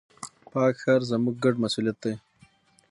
پاک ښار، زموږ ګډ مسؤليت دی.